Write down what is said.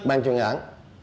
ban chuyên án